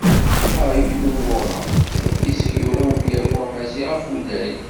"Aɣyul n wuṛeɣ" d adlis i yura umyaru amaziɣ Afulay.